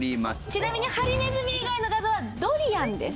ちなみにハリネズミ以外の画像はドリアンです。